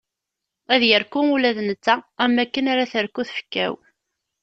Ad yerku ula d netta am waken ara terku tfekka-w.